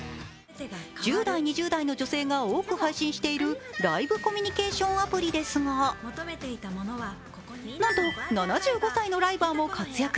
１０代、２０代の女性が多く配信しているライブコミュニケーションアプリですがなんと７５歳のライバーも活躍。